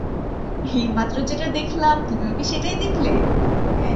এইমাত্র যেটা দেখলাম, তুমিও কি সেটাই দেখলে?